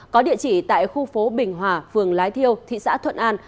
có địa chỉ tại khu phố bình hòa phường lái thiêu thị xã thuận an